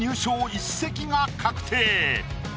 １席が確定。